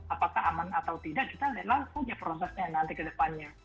apakah aman atau tidak kita lihat langsung aja prosesnya nanti ke depannya